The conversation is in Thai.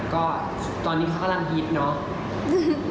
ก็ตอนนี้เขากำลังฮิตเนาะ